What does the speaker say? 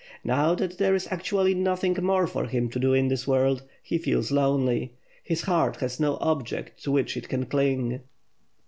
Now that there is actually nothing more for him to do in this world, he feels lonely. His heart has no object to which it can cling."